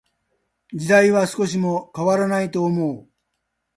時代は少しも変らないと思う。